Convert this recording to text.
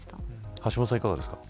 橋下さん、いかがですか。